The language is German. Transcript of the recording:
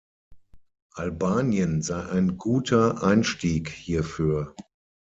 Albanien sei ein guter Einstieg hierfür.